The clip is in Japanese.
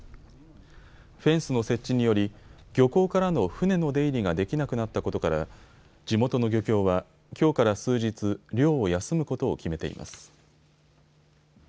フェンスの設置により漁港からの船の出入りができなくなったことから地元の漁協は、きょうから数日、漁を休むことを決めています。